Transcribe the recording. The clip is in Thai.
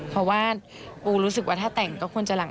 เพราะว่าปูรู้สึกว่าถ้าแต่งก็ควรจะหลัง